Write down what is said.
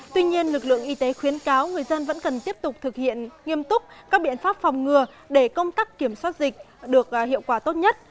tuy nhiên lực lượng y tế khuyến cáo người dân vẫn cần tiếp tục thực hiện nghiêm túc các biện pháp phòng ngừa để công tác kiểm soát dịch được hiệu quả tốt nhất